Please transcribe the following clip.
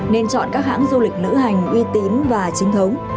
nên chọn các hãng du lịch lữ hành uy tín và chính thống